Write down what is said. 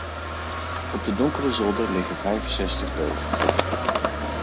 Op de donkere zolder liggen vijfenzestig dozen.